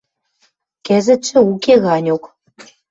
Кӹзӹтшӹ уке ганьок.